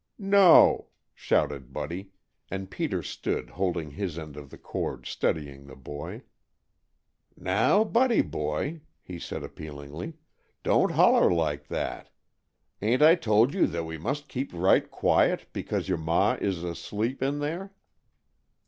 "No!" shouted Buddy, and Peter stood, holding his end of the cord, studying the boy. "Now, Buddy boy," he said appealingly. "Don't holler like that. Ain't I told you we must keep right quiet, because your ma is asleep in there."